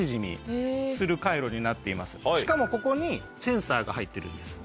しかもここにセンサーが入ってるんです。